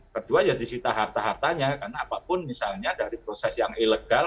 kedua ya disita harta hartanya karena apapun misalnya dari proses yang ilegal